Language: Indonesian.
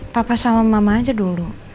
papa sama mama aja dulu